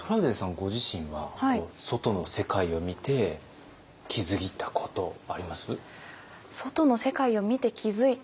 ご自身は外の世界を見て気付いたことあります？